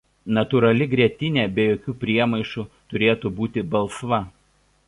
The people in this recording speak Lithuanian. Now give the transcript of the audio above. Natūrali grietinė be jokių priemaišų turėtų būti balsva.